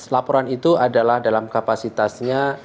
laporan itu adalah dalam kapasitasnya